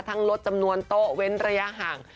ลดจำนวนโต๊ะเว้นระยะห่าง